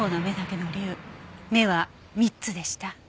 目は３つでした。